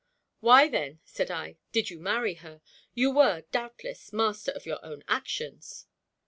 "Why, then," said I, "did you marry her? You were, doubtless, master of your own actions."